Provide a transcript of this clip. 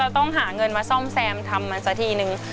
ต้องหาเงินมาซ่อมแซมทำมันสักทีนึง